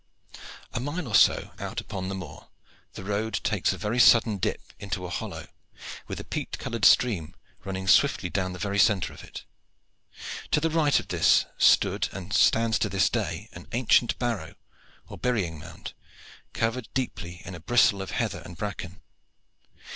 A mile or so out upon the moor the road takes a very sudden dip into a hollow, with a peat colored stream running swiftly down the centre of it. To the right of this stood, and stands to this day, an ancient barrow, or burying mound, covered deeply in a bristle of heather and bracken.